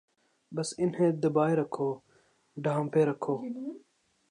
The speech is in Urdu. بس انہیں دبائے رکھو، ڈھانپے رکھو۔